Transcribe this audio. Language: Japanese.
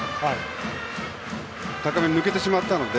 高めに抜けてしまったので。